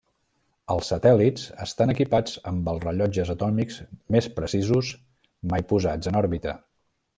Els satèl·lits estan equipats amb els rellotges atòmics més precisos mai posats en òrbita.